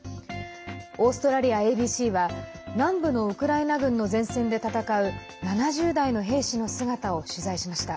オーストラリアＡＢＣは南部のウクライナ軍の前線で戦う７０代の兵士の姿を取材しました。